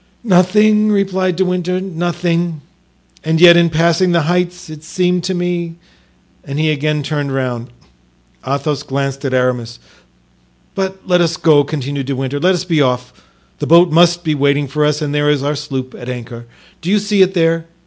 "Nothing," replied De Winter; "nothing; and yet in passing the heights it seemed to me——" and he again turned round. Athos glanced at Aramis. "But let us go," continued De Winter; "let us be off; the boat must be waiting for us and there is our sloop at anchor—do you see it there?